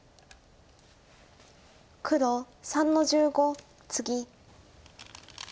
黒３の十五ツギ。